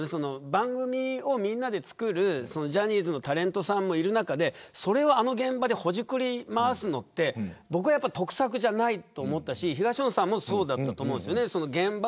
番組を、みんなで作るジャニーズのタレントさんもいる中で、それをあの現場でほじくり回すのって僕は得策じゃないと思ったし東野さんもそうだったと思うんです。